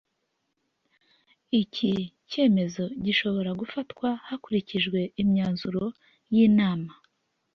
iki cyemezo gishobora gufatwa hakurikijwe imyanzuro y’ inama